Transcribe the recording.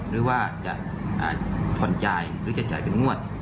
หรือว่าจะผ่อนจ่ายหรือจะจ่ายเป็นงวด